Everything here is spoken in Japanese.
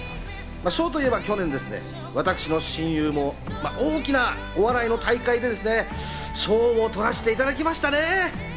賞といえば去年、私の親友も大きなお笑いの大会でですね、賞を取らせていただきましたね。